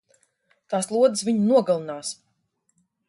Tās lodes viņu nogalinās!